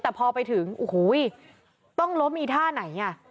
แต่พอไปถึงอูหูยต้องล้มอีท่าไหนเนี่ย